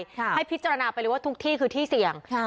ให้พิจารณาไปเลยว่าทุกที่คือที่เสี่ยง